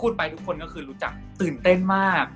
ไปทุกคนก็คือรู้จักตื่นเต้นมาก